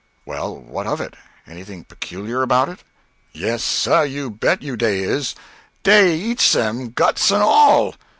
"Well, what of it? Anything peculiar about it?" "Yes, suh, you bet you dey is. _Dey eats 'em guts and all!